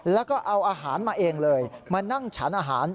แล้วก็เอาอาหารมาเองเลยมานั่งฉันอาหาร